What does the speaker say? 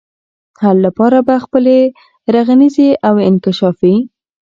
حل لپاره به خپلي رغنيزي او انکشافي